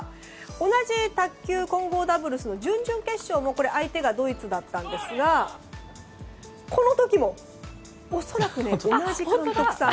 同じ卓球混合ダブルスの準々決勝も相手がドイツだったんですがこの時も恐らく同じ監督さん。